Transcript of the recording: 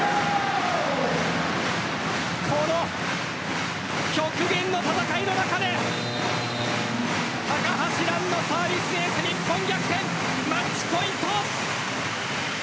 この極限の戦いの中で高橋藍のサービスエース日本逆転マッチポイント。